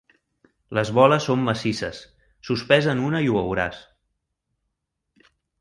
Les boles són massisses: sospesa'n una i ho veuràs.